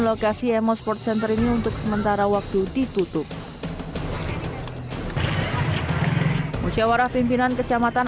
lokasi emo sports center ini untuk sementara waktu ditutup musyawarah pimpinan kecamatan